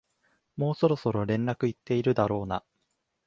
もうそろそろ連絡行ってるだろうな